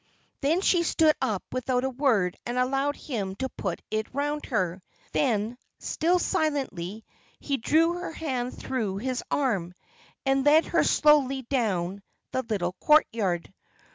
Then she stood up without a word, and allowed him to put it round her; then, still silently, he drew her hand through his arm, and led her slowly down the little courtyard.